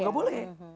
oh gak boleh